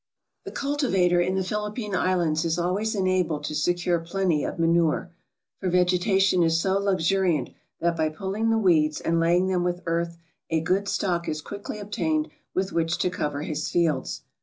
The cultivator in the Philippine Islands is always enabled to secure plenty of manure; for vegetation is so luxuriant that by pulling the weeds and laying them with earth a good stock is quickly obtained with which to cover his fields.